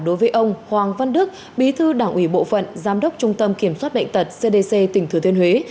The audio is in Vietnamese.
đối với ông hoàng văn đức bí thư đảng ủy bộ phận giám đốc trung tâm kiểm soát bệnh tật cdc tỉnh thừa thiên huế